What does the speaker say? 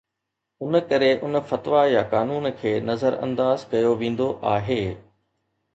ان ڪري ان فتويٰ يا قانون کي نظرانداز ڪيو ويندو آهي